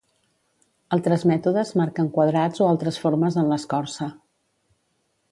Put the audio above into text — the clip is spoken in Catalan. Altres mètodes marquen quadrats o altres formes en l'escorça.